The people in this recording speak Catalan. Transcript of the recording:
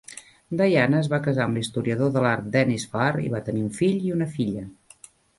Diana es va casar amb l'historiador de l'art Dennis Farr, i va tenir un fill i una filla.